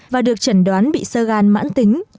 và được chẩn đoán bị sơ gan mãn tính